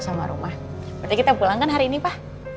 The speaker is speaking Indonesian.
sama rumah berarti kita pulang kan hari ini pak